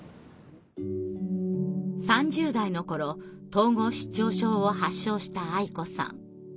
３０代の頃統合失調症を発症したあい子さん。